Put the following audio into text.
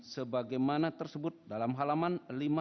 sebagaimana tersebut dalam halaman